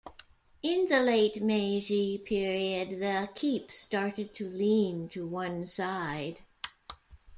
In the late Meiji period the keep started to lean to one side.